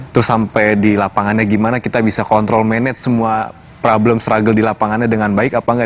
terus sampai di lapangannya gimana kita bisa kontrol manage semua problem struggle di lapangannya dengan baik apa enggak